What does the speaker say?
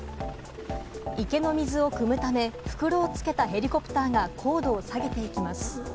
池の水をくむため、袋をつけたヘリコプターが高度を下げていきます。